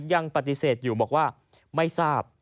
ยังปฏิเสธอยู่บอกว่าไม่ทราบ